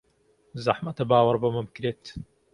زەحمەتە باوەڕ بەمە بکرێت.